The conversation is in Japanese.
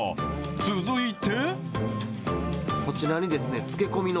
続いて。